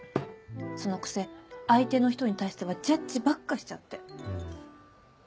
そのくせ相手の人に対してはジャッジばっかしちゃって。